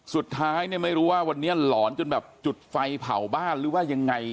สุดท้ายเนี่ยไม่รู้ว่าวันนี้หลอนจนแบบจุดไฟเผาบ้านหรือว่ายังไง